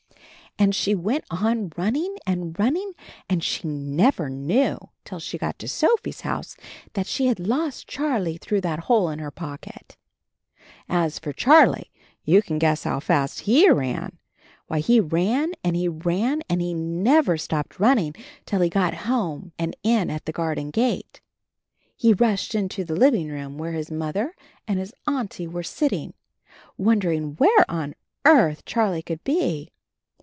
And she went on run ning and running and she never knew till she got to Sophie's house that she had lost Charlie through that hole in her pocket! As for Charlie, you can guess how fast he ran. Why, he ran and he ran and he never stopped running till he got home and in at the garden gate. He rushed into the living room where his Mother and his Auntie were sitting, wondering where on earth Charlie could be.